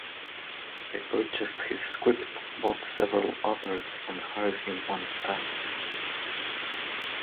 They purchased his script, bought several others, and hired him on staff.